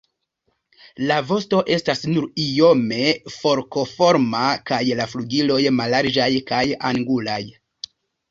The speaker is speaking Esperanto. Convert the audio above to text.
La vosto estas nur iome forkoforma kaj la flugiloj mallarĝaj kaj angulaj.